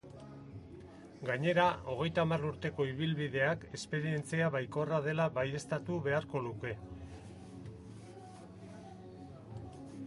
Gainera, hogeita hamar urteko ibilbideak esperientzia baikorra dela baieztatu beharko luke.